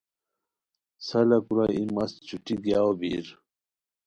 سالہ کورا ای مسی چھٹی گیاؤ بیر